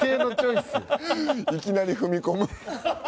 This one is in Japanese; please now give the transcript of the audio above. いきなり踏み込む。